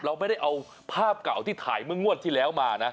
เราไม่ได้เอาภาพเก่าที่ถ่ายเมื่องวดที่แล้วมานะ